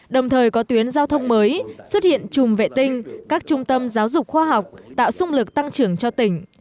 đồng thời có tuyến giao thông mới xuất hiện chùm vệ tinh các trung tâm giáo dục khoa học tạo xung lực tăng trưởng cho tỉnh